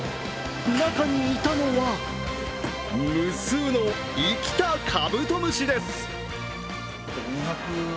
中にいたのは無数の生きたカブトムシです。